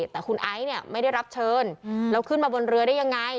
แต่คุณไอซ์เนี่ยไม่ได้รับเชิญแล้วขึ้นมาบนเรือได้ยังไง